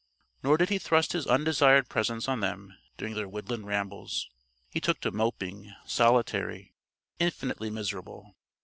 Nor did he thrust his undesired presence on them during their woodland rambles. He took to moping, solitary, infinitely miserable.